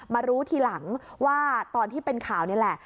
มารู้ทีหลังว่าตอนที่เป็นข่าวนี่แหละ